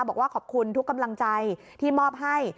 บอกว่าขอบคุณทุกกำลังใจที่มอบให้